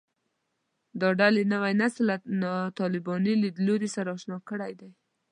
دا ډلې نوی نسل له طالباني لیدلوري سره اشنا کړی دی